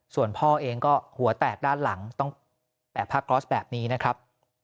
ส่วนพ่อเองก็หัวแตกด้านหลังต้องแปะผ้าก๊อสแบบนี้นะครับ